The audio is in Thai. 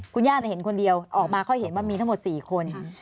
คุณย่าเห็นคนเดียวออกมาเขาเห็นว่ามีทั้งหมด๔คน